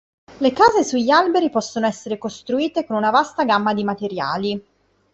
Le case sugli alberi possono essere costruite con una vasta gamma di materiali.